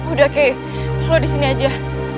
udah kay lo disini aja